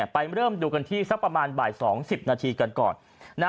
ไปเริ่มดูกันที่สักประมาณบ่าย๒๐นาทีกันก่อน